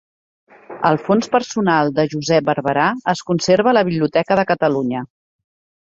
El fons personal de Josep Barberà es conserva a la Biblioteca de Catalunya.